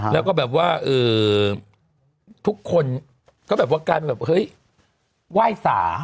แล้วก็แบบว่าทุกคนก็แบบว่ากลายเป็นแบบเฮ้ยไหว้สา